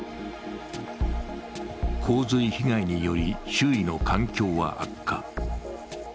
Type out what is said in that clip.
洪水被害により、周囲の環境は悪化